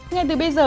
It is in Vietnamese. ngay từ bây giờ